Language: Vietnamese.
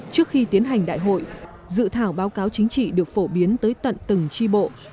trước khi tiến hành đại hội dự thảo báo cáo chính trị được phổ biến tới tận từng tri bộ